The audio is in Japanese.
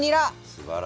すばらしい。